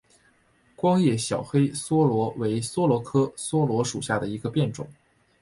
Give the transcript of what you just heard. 光叶小黑桫椤为桫椤科桫椤属下的一个变种。